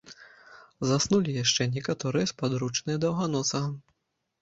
Заснулі яшчэ некаторыя спадручныя даўганосага.